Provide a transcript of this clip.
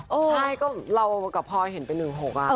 ใช่ก็เรากับพลอยเห็นเป็น๑๖